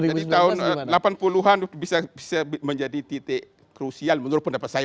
jadi tahun delapan puluh an bisa menjadi titik krusial menurut pendapat saya